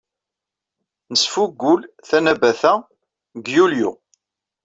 Nesfugul Tanabata deg yulyu.